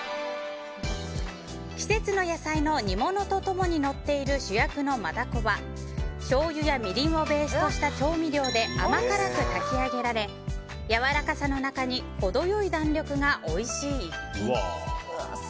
季節の野菜の煮物と共にのっている主役のマダコはしょうゆやみりんをベースとした調味料で甘辛く炊き上げられやわらかさの中にほど良い弾力がおいしい。